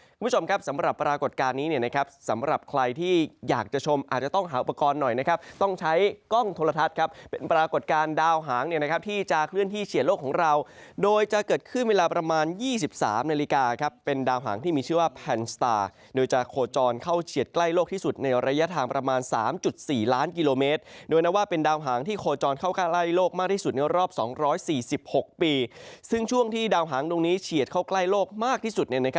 คุณผู้ชมครับสำหรับปรากฏการณ์นี้นะครับสำหรับใครที่อยากจะชมอาจจะต้องหาอุปกรณ์หน่อยนะครับต้องใช้กล้องโทรทัศน์ครับเป็นปรากฏการณ์ดาวหางเนี่ยนะครับที่จะเคลื่อนที่เฉียดโลกของเราโดยจะเกิดขึ้นเวลาประมาณ๒๓นาฬิกาครับเป็นดาวหางที่มีชื่อว่าแพนสตาร์โดยจะโคจรเข้าเฉียดใกล้โลกที่สุดใ